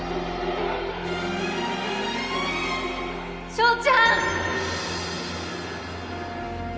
翔ちゃん！